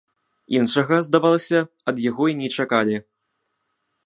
Іншага, здавалася, ад яго і не чакалі.